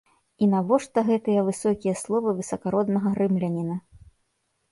І навошта гэтыя высокія словы высакароднага рымляніна?